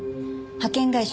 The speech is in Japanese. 派遣会社